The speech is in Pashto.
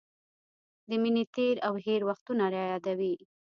د مینې تېر او هېر وختونه رايادوي.